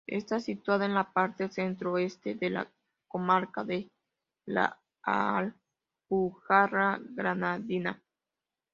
Está situada en la parte centro-este de la comarca de la Alpujarra Granadina.